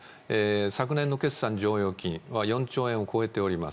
昨年の決算剰余金は４兆円を超えています。